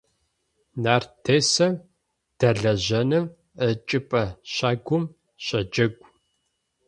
Нарт десэм дэлэжьэным ычӀыпӀэ щагум щэджэгу.